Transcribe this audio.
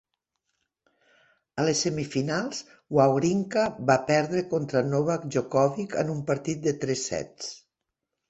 A les semifinals, Wawrinka va perdre contra Novak Djokovic en un partit de tres sets.